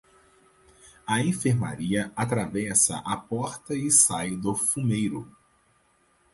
A enfermaria atravessa a porta e sai do fumeiro.